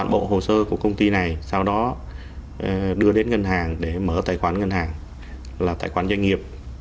bộ hồ sơ của công ty này sau đó đưa đến ngân hàng để mở tài khoản ngân hàng là tài khoản doanh nghiệp